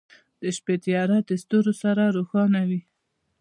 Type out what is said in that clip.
• د شپې تیاره د ستورو سره روښانه وي.